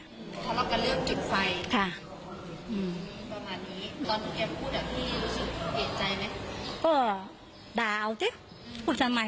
ก็ด่าเอาสิเขาทำลายจะไม่มีได้ลางออกปากเขาว่าแค่